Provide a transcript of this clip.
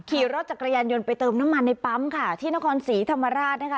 ขี่รถจักรยานยนต์ไปเติมน้ำมันในปั๊มค่ะที่นครศรีธรรมราชนะคะ